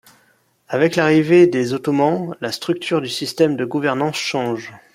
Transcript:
Avec l'arrivée des Ottomans, la structure du système de gouvernance change.